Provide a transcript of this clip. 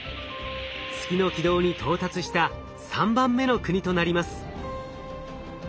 月の軌道に到達した３番目の国となります。